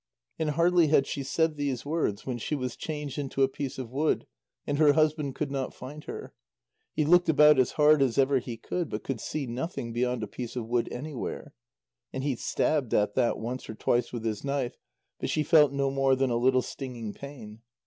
And hardly had she said these words, when she was changed into a piece of wood, and her husband could not find her. He looked about as hard as ever he could, but could see nothing beyond a piece of wood anywhere. And he stabbed at that once or twice with his knife, but she felt no more than a little stinging pain.